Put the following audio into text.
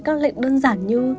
các lệnh đơn giản như